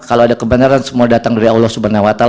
kalau ada kebenaran semua datang dari allah swt